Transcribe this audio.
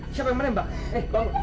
siapa yang menembak